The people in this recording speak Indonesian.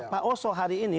pak oso hari ini